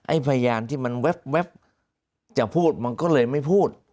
พยานที่มันแว๊บจะพูดมันก็เลยไม่พูด